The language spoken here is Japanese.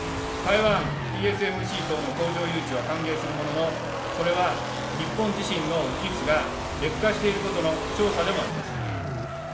台湾ＴＳＭＣ等の工場誘致は歓迎するものの、それは日本自身の技術が劣化していることの証左でもあります。